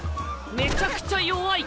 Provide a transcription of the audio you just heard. めちゃくちゃ弱い。